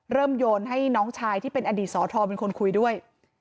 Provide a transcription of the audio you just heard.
โยนให้น้องชายที่เป็นอดีตสอทรเป็นคนคุยด้วย